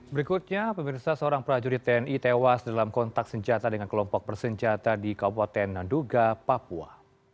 berikutnya pemirsa seorang prajurit tni tewas dalam kontak senjata dengan kelompok bersenjata di kabupaten nanduga papua